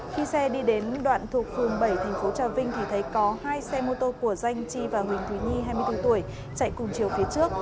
khi xe đi đến đoạn thuộc phường bảy thành phố trà vinh thì thấy có hai xe mô tô của danh chi và huỳnh thúy nhi hai mươi bốn tuổi chạy cùng chiều phía trước